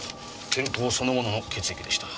健康そのものの血液でした。